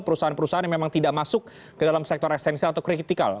perusahaan perusahaan yang memang tidak masuk ke dalam sektor esensial atau kritikal